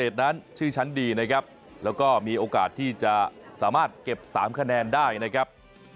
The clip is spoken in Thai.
สามารถเก็บ๓คะแนนได้นะครับ